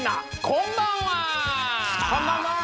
こんばんは！